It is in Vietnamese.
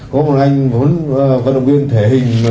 có một anh vận động viên thể hình